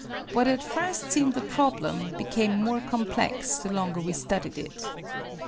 What at first seemed a problem became more complex the longer we studied it.